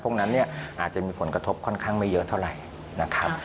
พวกนั้นเนี่ยอาจจะมีผลกระทบค่อนข้างไม่เยอะเท่าไหร่นะครับ